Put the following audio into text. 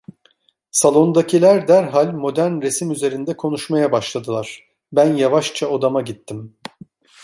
Salondakiler, derhal modern resim üzerinde konuşmaya başladılar, ben yavaşça odama gittim.